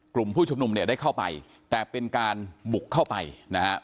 กลุ่มผู้ชุมนุมเนี่ยได้เข้าไปแต่เป็นการบุกเข้าไปนะฮะ